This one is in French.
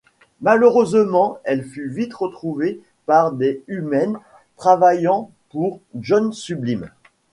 Malheureusement, elle fut vite retrouvée par des U-Men travaillant pour John Sublime.